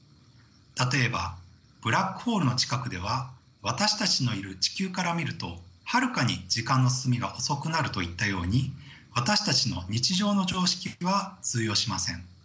例えばブラックホールの近くでは私たちのいる地球から見るとはるかに時間の進みが遅くなるといったように私たちの日常の常識は通用しません。